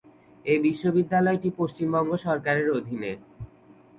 এই বিশ্ববিদ্যালয়টি পশ্চিমবঙ্গ সরকারের অধীনে।